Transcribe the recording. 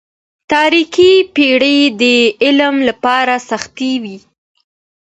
تاريکي پېړۍ د علم لپاره سختې وې.